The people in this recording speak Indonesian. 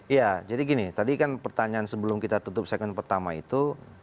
ya jadi gini tadi kan pertanyaan sebelum kita tutup segmen pertama itu